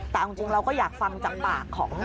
แต่เอาจริงเราก็อยากฟังจากปากของ